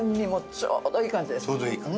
ちょうどいい感じ。